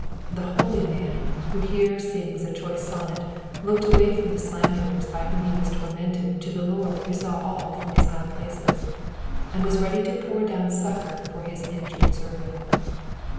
The holy man who here sings a choice sonnet looked away from the slanderers by whom he was tormented to the Lord who saw all from his high places, and was ready to pour down succour for his injured servant.